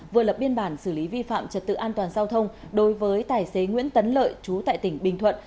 vừa lập biên bản xử lý vi phạm trật tự an toàn giao thông đối với tài xế nguyễn tấn lợi chú tại tỉnh bình thuận